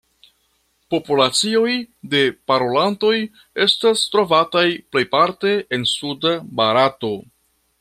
Populacioj de parolantoj estas trovataj plejparte en suda Barato.